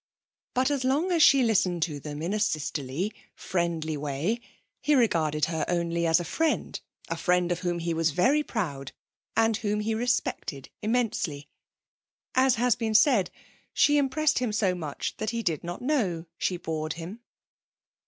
But as long as she had listened to them in a sisterly, friendly way, he regarded her only as a friend a friend of whom he was very proud, and whom he respected immensely. As has been said, she impressed him so much that he did not know she bored him.